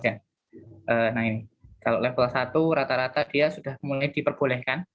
nah ini kalau level satu rata rata dia sudah mulai diperbolehkan